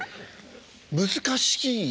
難しい？